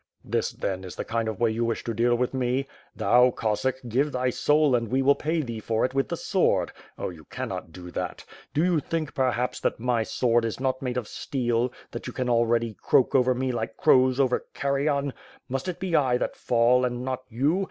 "This, then, is the kind of way you wish .to deal with me: *Thou, Cossack, give thy soul and we will pay thee for it with the sword!' Oh, you cannot do that! Do you think, perhaps, that my sword is not made of steel, that you can already croak over me like crows over carrion? Must it be I that fall, and not you?